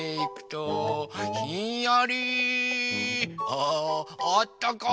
ああったか。